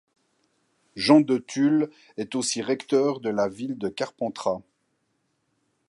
Jean de Tulles est aussi recteur de la ville de Carpentras.